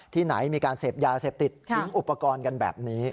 ที่ไหนมีการเสพยาเสพติดทิ้งอุปกรณ์กันแบบนี้